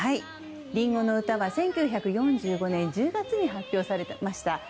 「リンゴの唄」は１９４５年１０月に発表されました。